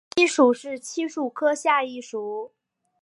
漆属是漆树科下一属。